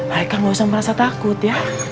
mereka gak usah merasa takut ya